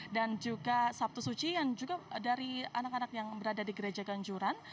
dan juga sabtu suci yang juga dari anak anak yang berada di gereja ganjuran